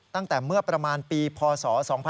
ตั้งแต่เมื่อประมาณปีพศ๒๕๖๒